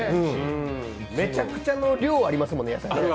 めちゃくちゃ量ありますもんね、野菜。